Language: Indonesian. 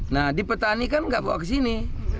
nah di petani kan nggak bawa ke sini